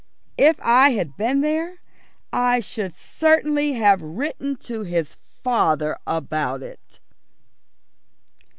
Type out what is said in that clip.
If I had been there, I should certainly have written to his father about it.